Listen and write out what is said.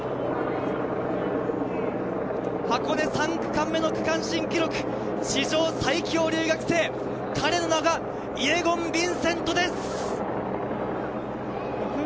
３区間目の区間新記録、史上最強留学生、彼の名がイェゴン・ヴィンセントです！